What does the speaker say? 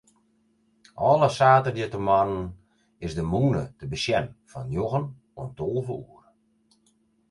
Alle saterdeitemoarnen is de mûne te besjen fan njoggen oant tolve oere.